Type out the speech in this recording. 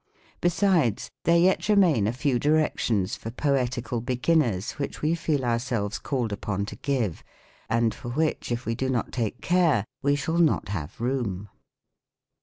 j Besides, there yet remain a few Directions for Poetical Beginners, which we feel ourselves called upon to give, and for which, if we do not take care, we shall not have room.